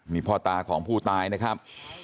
นี่พ่อตาของผู้ตายนะครับ